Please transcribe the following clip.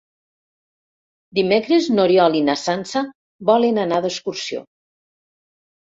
Dimecres n'Oriol i na Sança volen anar d'excursió.